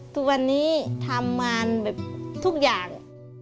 ทุกวันนี้ทำงานแบบทุกอย่าง